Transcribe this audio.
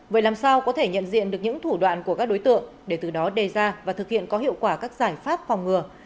vậy làm sao có thể nhận diện được những thủ đoạn của các đối tượng để từ đó đề ra và thực hiện có hiệu quả các giải pháp phòng ngừa